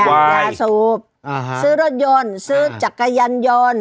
ยาสูบซื้อรถยนต์ซื้อจักรยานยนต์